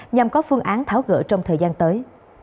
nhằm có phương án tháo gỡ trong thời gian tới